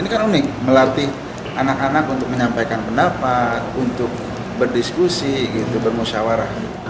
ini kan unik melatih anak anak untuk menyampaikan pendapat untuk berdiskusi gitu bermusyawarah